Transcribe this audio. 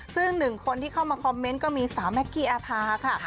ซึ่งหนึ่งคนที่เข้ามาคอมเมนต์ก็มีสาวแม็กกี้อาภาค่ะ